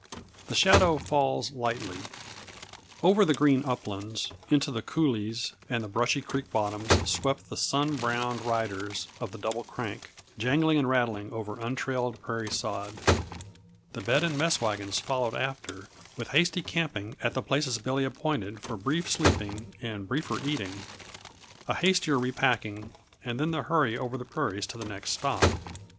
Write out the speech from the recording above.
The Shadow Falls Lightly. Over the green uplands, into the coulées and the brushy creek bottoms swept the sun browned riders of the Double Crank; jangling and rattling over untrailed prairie sod, the bed and mess wagons followed after with hasty camping at the places Billy appointed for brief sleeping and briefer eating, a hastier repacking and then the hurry over the prairies to the next stop.